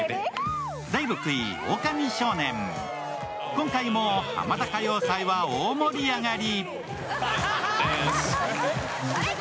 今回も「ハマダ歌謡祭」は大盛り上がり。